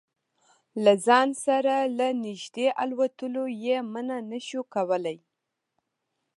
له ځان سره له نږدې الوتلو یې منع نه شو کولای.